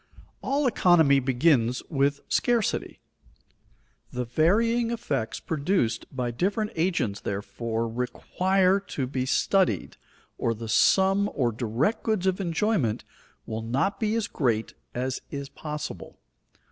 _ All economy begins with scarcity. The varying effects produced by different agents therefore require to be studied or the sum or direct goods of enjoyment will not be as great as is possible.